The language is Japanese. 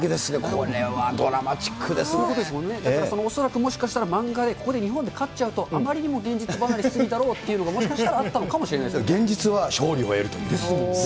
これはドそういうことですもんね、恐らくもしかしたら、漫画でここで日本で勝っちゃうと、あまりにも現実離れし過ぎるだろうということで、もしかしたらあ現実は勝利を得るというね。